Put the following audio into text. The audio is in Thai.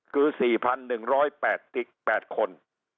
คือ๔๑๑๘ติด๘คน